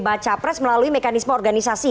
baca pres melalui mekanisme organisasi